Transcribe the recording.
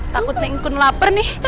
takut nengkun lapar nih